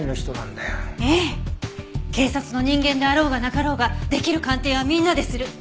ええ警察の人間であろうがなかろうが出来る鑑定はみんなでする。